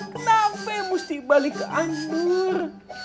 kenapa mesti balik ke anjur